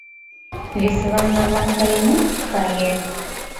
Весылан марлан кайынет — кае!